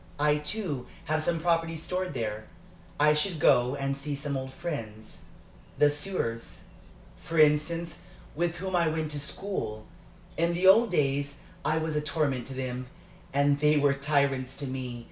I, too, have some property stored there. I should go and see some old friends the soeurs, for instance, with whom I went to school. In the old days I was a torment to them, and they were tyrants to me.